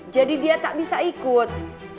dia tak bisa ikut